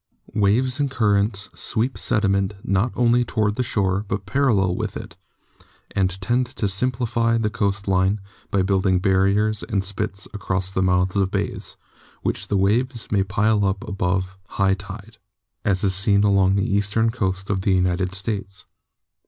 Waves and currents sweep sediment not only toward the shore, but parallel with it, and tend to simplify the coast line by building barriers and spits across the mouths of bays, which the waves may pile up above high tide, as is seen all along the eastern coast of the United States.